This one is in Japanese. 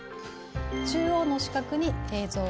中央の四角に映像。